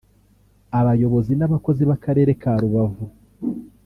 Abayobozi n’abakozi b’Akarere ka Rubavu